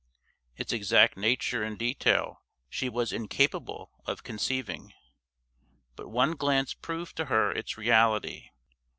Its exact nature and detail she was incapable of conceiving, but one glance proved to her its reality.